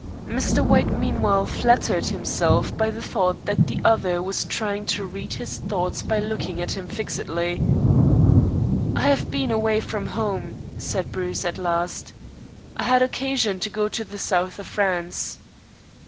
Mr. White meanwhile flattered himself by the thought that the other was trying to read his thoughts by looking at him fixedly. "I have been away from home," said Bruce at last. "I had occasion to go to the South of France."